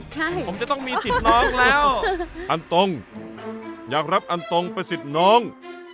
ใช่ผมจะต้องมีสิทธิ์น้องแล้วอันตรงอยากรับอันตรงประสิทธิ์น้อง